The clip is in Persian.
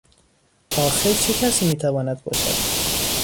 آخر چه کسی میتواند باشد؟